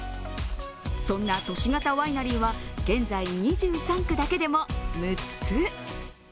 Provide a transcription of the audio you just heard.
そんな都市型ワイナリーは現在、２３区だけでも６つ。